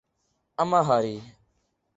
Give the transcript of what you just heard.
امہاری